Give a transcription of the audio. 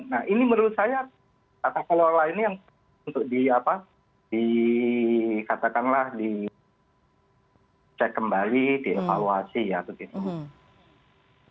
nah ini menurut saya kata kelola ini untuk di katakanlah dicek kembali dievaluasi ya begitu